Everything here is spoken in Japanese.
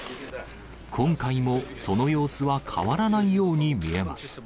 今回もその様子は変わらないように見えます。